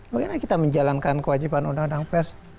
bagaimana kita menjalankan kewajiban undang undang pers